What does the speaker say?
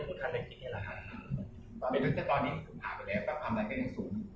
หรือเป็นอะไรที่คุณต้องการให้ดู